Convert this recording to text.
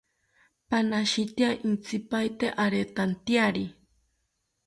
Panashitya intzipaete aretantyari